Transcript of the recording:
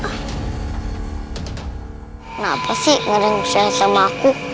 kenapa sih ngeri ngusahanya sama aku